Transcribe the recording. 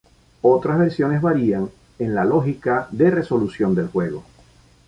Otras versiones varían en la lógica de resolución del juego.